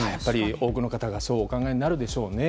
多くの方がそうお考えになるでしょうね。